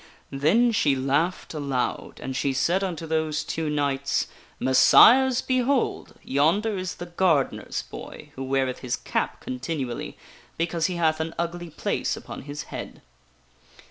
Then she laughed aloud, and she said unto those two knights, " Messires behold ! Yonder is the gardener's boy, who weareth his cap continually because he hath an ugly place upon his head."